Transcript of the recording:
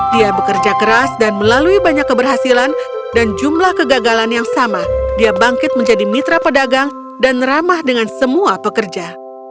dia bekerja keras dan melalui banyak keberhasilan dan jumlah kegagalan yang sama dia bangkit menjadi mitra pedagang dan ramah dengan semua pekerja